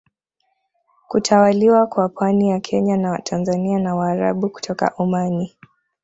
Kutawaliwa kwa pwani ya Kenya na Tanzania na Waarabu kutoka Omani